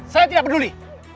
saya tidak peduli